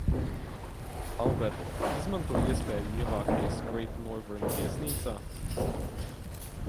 "Albert, izmanto iespēju ievākties "Great Northern" viesnīcā?"